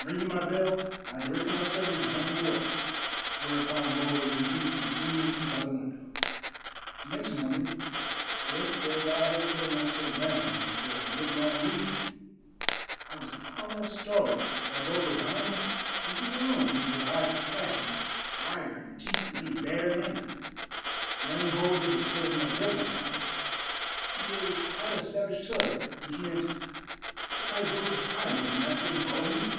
Ringing my bell, I directed my servant to hunt them away. Whereupon Bulger consented to resume his seat by the window. The next morning, just as I had settled myself down for a good long read, I was almost startled by Bulger bounding into the room with eyes flashing fire and teeth laid bare in anger. Laying hold of the skirt of my dressing gown, he gave it quite a savage tug, which meant, "Put thy book aside, little master, and follow me."